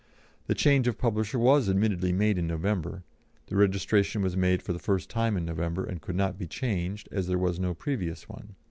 The change of publisher was admittedly made in November; the registration was made for the first time in November, and could not be changed, as there was no previous one.